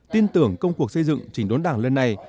tin tưởng công cuộc xây dựng chỉnh đốn đảng lần này